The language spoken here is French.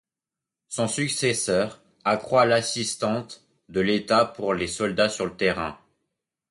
Son successeur accroît l'assistante de l'État pour les soldats sur le terrain.